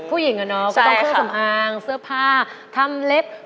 ผู้หญิงอะเนอะก็ต้องเครื่องสำอางเสื้อผ้าทำเล็บใช่ค่ะ